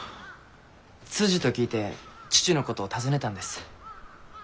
通詞と聞いて父のことを尋ねたんです。